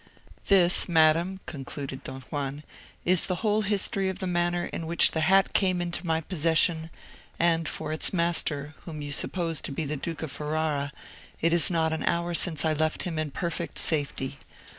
"This, madam," concluded Don Juan, "is the whole history of the manner in which the hat came into my possession; and for its master, whom you suppose to be the Duke of Ferrara, it is not an hour since I left him in perfect safety.